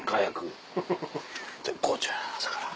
絶好調や朝から。